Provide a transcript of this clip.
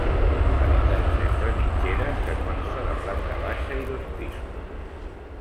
Habitatge entre mitgeres que consta de planta baixa i dos pisos.